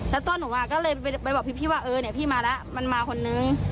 แล้วตัวหนูก็เลยไปบอกพี่ว่าเออเนี่ยพี่มาแล้วมันมาคนนึง